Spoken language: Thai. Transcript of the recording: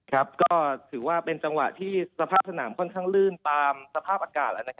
ครับก็ถือว่าเป็นจังหวะที่สภาพสนามค่อนข้างลื่น